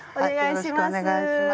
よろしくお願いします。